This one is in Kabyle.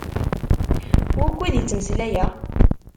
Wukud i ttmeslayeɣ?